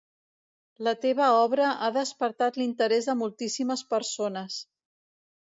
La teva obra ha despertat l'interès de moltíssimes persones.